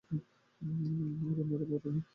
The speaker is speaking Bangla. আর অন্যরা পারেনি?